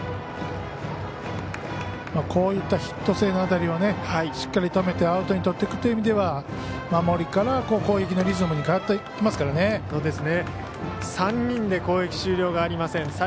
こういったヒット性の当たりをしっかり止めてアウトにとっていくという意味では守りから攻撃のリズムに３人で攻撃終了がありません